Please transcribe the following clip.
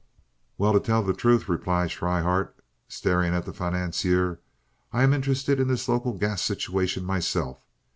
"Well, to tell the truth," replied Schryhart, staring at the financier, "I am interested in this local gas situation myself.